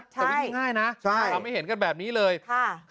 ใช่่ง่ายน่ะใช่เราเอาไว้เห็นกันแบบนี้เลยค่ะ